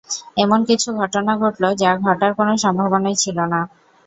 এমন কিছু ঘটনা ঘটলো যা ঘটার কোনো সম্ভবনাই ছিলো না।